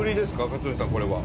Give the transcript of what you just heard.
克典さんこれは。